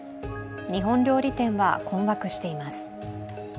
日本料理店は困惑しています。